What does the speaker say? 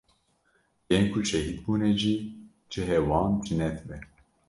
yên ku şehîd bûne jî cihê wan cinet be.